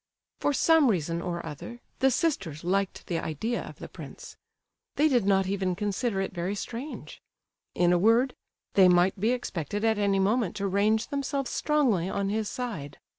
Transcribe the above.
For some reason or other, the sisters liked the idea of the prince. They did not even consider it very strange; in a word, they might be expected at any moment to range themselves strongly on his side.